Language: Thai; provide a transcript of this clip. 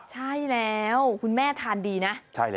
ใช่แล้วคุณแม่ทานดีนะ